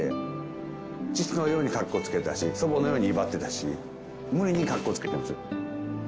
父のようにかっこつけてたし祖母のように威張ってたし無理にかっこつけてたんですよ。